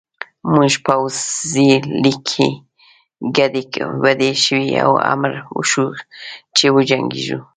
زموږ پوځي لیکې ګډې وډې شوې او امر وشو چې وجنګېږو